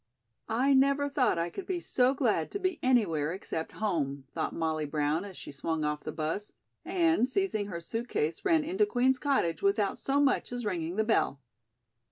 "I never thought I could be so glad to be anywhere except home," thought Molly Brown as she swung off the 'bus, and, seizing her suit case, ran into Queen's Cottage without so much as ringing the bell.